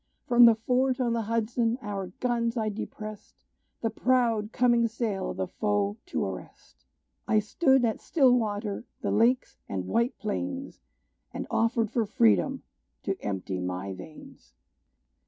From the fort, on the Hudson, our guns I depressed, The proud coming sail of the foe to arrest. I stood at Stillwater, the Lakes and White Plains, And offered for freedom to empty my veins!